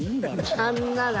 あんな何？